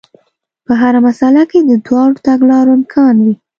په هره مسئله کې د دواړو تګلارو امکان وي.